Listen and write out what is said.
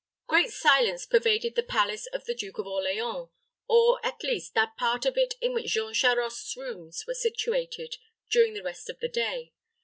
Great silence pervaded the palace of the Duke of Orleans, or, at least, that part of it in which Jean Charost's rooms were situated, during the rest of the day.